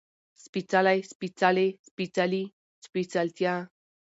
سپېڅلی، سپېڅلې، سپېڅلي، سپېڅلتيا